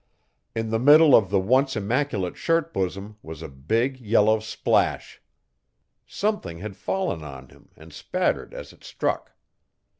In the middle of the once immaculate shirt bosom was a big, yellow splash. Something had fallen on him and spattered as it struck.